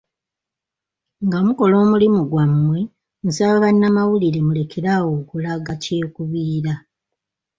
Nga mukola omulimu gwammwe nsaba bannamawulire mulekerawo okulaga kyekubiira .